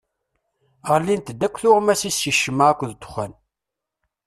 Ɣlint-d akk tuɣmas-is si ccemma akked ddexxan.